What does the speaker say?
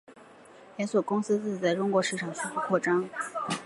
连锁公司自此在中国市场迅速扩张。